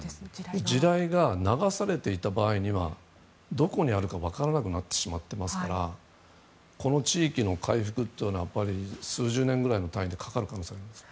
地雷が、流されていた場合にはどこにあるか分からなくなってしまっていますからこの地域の回復というのは数十年くらいの単位でかかる可能性があります。